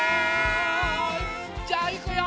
じゃあいくよ。